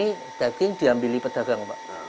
ini daging diambil pedagang pak